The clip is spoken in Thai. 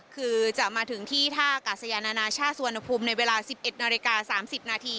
คือจะมาถึงที่ท่ากาศยานานาชาติสุวรรณภูมิในเวลา๑๑นาฬิกา๓๐นาที